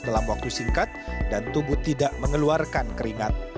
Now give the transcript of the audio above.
dalam waktu singkat dan tubuh tidak mengeluarkan keringat